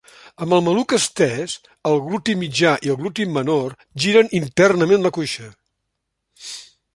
Amb el maluc estès, el gluti mitjà i el gluti menor giren internament la cuixa.